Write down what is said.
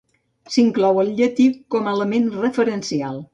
S'hi inclou el llatí com a element referencial.